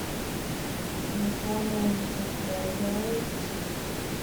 He was born in Santiago, Chile.